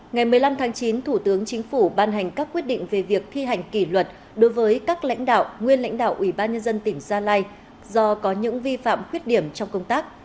ngày một mươi năm tháng chín thủ tướng chính phủ ban hành các quyết định về việc thi hành kỷ luật đối với các lãnh đạo nguyên lãnh đạo ủy ban nhân dân tỉnh gia lai do có những vi phạm khuyết điểm trong công tác